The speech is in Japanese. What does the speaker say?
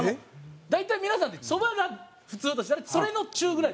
大体皆さんってそばが普通としたらそれの中ぐらい。